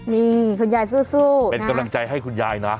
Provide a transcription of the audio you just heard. นี่คุณยายสู้เป็นกำลังใจให้คุณยายนะ